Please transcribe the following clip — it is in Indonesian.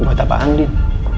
buat apaan nin